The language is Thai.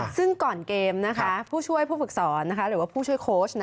ซึ่งก่อนเกมผู้ช่วยผู้ฝึกสอนหรือว่าผู้ช่วยโค้ช